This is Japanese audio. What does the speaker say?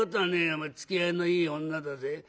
お前つきあいのいい女だぜ。